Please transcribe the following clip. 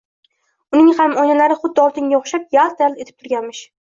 Uning ham oynalari xuddi oltinga oʻxshab yalt-yalt etib turganmish